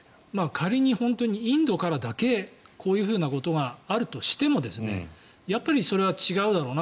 仮にインドからこういうことがあるとしてもやっぱりそれは違うだろうな